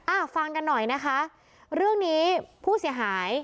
อ่ะฟังกันหน่อยนะคะเรื่องนี้ผู้เสียหาย